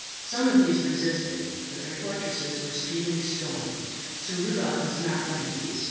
Some of these resisted; but their fortresses were speedily stormed. Sir Rudolph was not one of these.